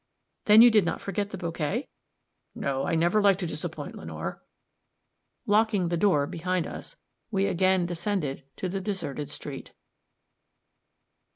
"Then you did not forget the bouquet?" "No, I never like to disappoint Lenore." Locking the door behind us, we again descended to the deserted street.